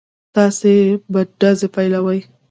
تاسې به ډزې پيلوئ.